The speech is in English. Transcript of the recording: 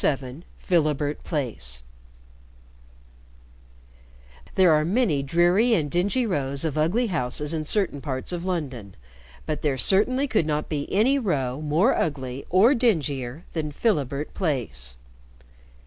7 PHILIBERT PLACE There are many dreary and dingy rows of ugly houses in certain parts of London, but there certainly could not be any row more ugly or dingier than Philibert Place.